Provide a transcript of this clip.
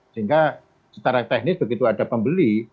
sehingga secara teknis begitu ada pembeli